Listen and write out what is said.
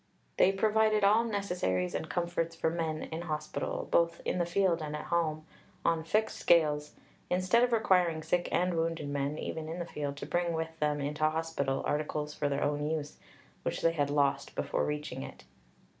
They provided all necessaries and comforts for men in hospital (both in the field and at home) on fixed scales, instead of requiring sick and wounded men (even in the field) to bring with them into hospital articles for their own use, which they had lost before reaching it."